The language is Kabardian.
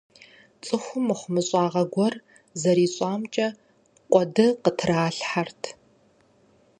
Цӏыхум мыхумыщӏагъэ гуэр зэрищӏамкӏэ къуэды къытралъхьэрт.